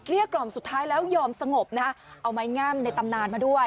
กล่อมสุดท้ายแล้วยอมสงบนะฮะเอาไม้งามในตำนานมาด้วย